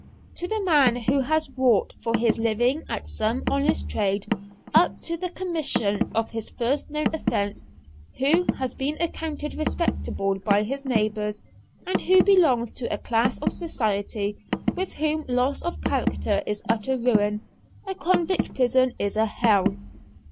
To the man who has wrought for his living at some honest trade, up to the commission of his first known offence, who has been accounted respectable by his neighbours, and who belongs to a class of society with whom loss of character is utter ruin a convict prison is a Hell.